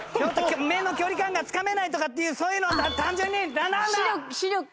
目の距離感がつかめないとかっていうそういうのをさ単純になんだ！？